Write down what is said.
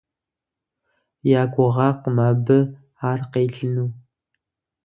Я гугъакъым абы ар къелыну.